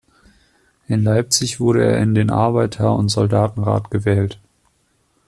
In Leipzig wurde er in den Arbeiter- und Soldatenrat gewählt.